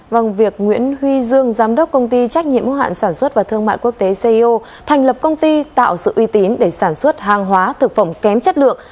vâng việc nguyễn huy dương giám đốc công ty trách nhiệm hữu hạn sản xuất và thương mại quốc tế co thành lập công ty tạo sự uy tín để sản xuất hàng hóa thực phẩm kém chất lượng